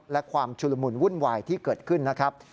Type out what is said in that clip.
และความชุลมุนวุ่นวายที่เกิดขึ้นนะครับ